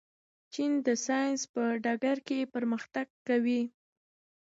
چین د ساینس په ډګر کې پرمختګ کوي.